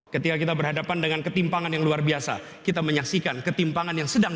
ketika kita berhadapan dengan ketimpangan yang luar biasa kita menyaksikan ketimpangan yang sedang